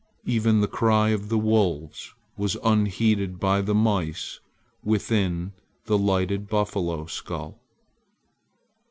Even the cry of the wolves was unheeded by the mice within the lighted buffalo skull.